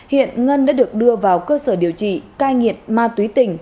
hiện ngân đã được đưa vào cơ sở điều trị cai nghiện ma túy tỉnh